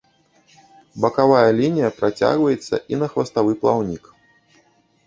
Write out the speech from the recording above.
Бакавая лінія працягваецца і на хваставы плаўнік.